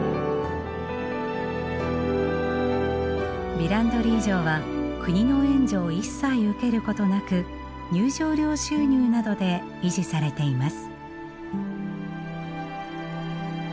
ヴィランドリー城は国の援助を一切受けることなく入場料収入などで維持されています。